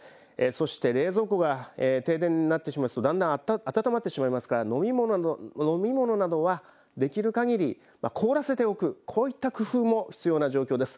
そして冷蔵庫が停電になってしまうとだんだん温まってしまいますから飲み物などはできるかぎり凍らせておく、こういった工夫も必要な状況です。